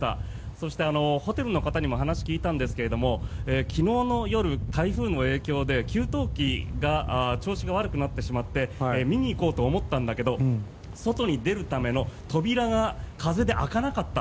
そして、ホテルの方にも話を聞いたんですけど昨日の夜、台風の影響で給湯器の調子が悪くなってしまって見に行こうと思ったんだけど外に出るための扉が風で開かなかった。